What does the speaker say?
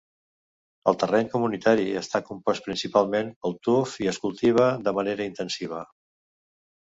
El terreny comunitari està compost principalment per tuf i es cultiva de manera intensiva.